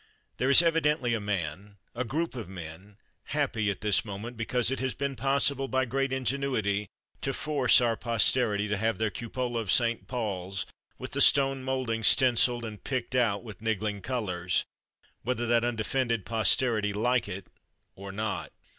There is evidently a man a group of men happy at this moment because it has been possible, by great ingenuity, to force our posterity to have their cupola of St Paul's with the stone mouldings stencilled and "picked out" with niggling colours, whether that undefended posterity like it or not.